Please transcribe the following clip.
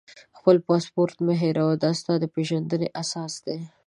خپل پاسپورټ مه هېروه، دا ستا د پېژندنې اساس دی.